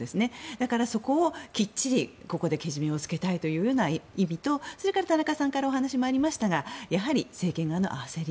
だからそこをきっちりここでけじめをつけたいという意味とそれから、田中さんからお話がありましたがやはり政権側の焦り